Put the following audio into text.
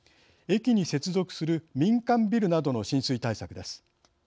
駅に接続する民間ビルなどの浸水対策です。